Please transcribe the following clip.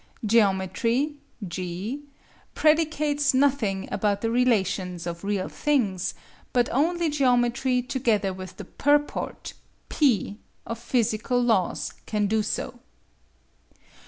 Geometry (G) predicates nothing about the relations of real things, but only geometry together with the purport (P) of physical laws can do so.